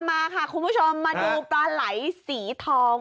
มาค่ะคุณผู้ชมมาดูปลาไหลสีทอง